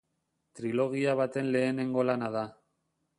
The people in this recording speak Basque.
Trilogia baten lehenengo lana da.